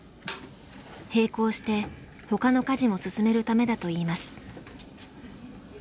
並行してほかの家事も進めるためだといいます。